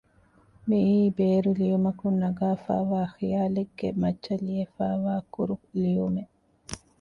މިއީ ބޭރު ލިޔުމަކުން ނަގައިފައިވާ ޚިޔާލެއްގެ މައްޗަށް ލިޔެފައިވާ ކުރު ލިޔުމެއް